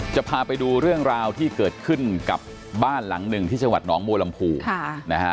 จะพาไปดูเรื่องราวที่เกิดขึ้นกับบ้านหลังหนึ่งที่ชาวัดน้องโบรัมภูมินะฮะ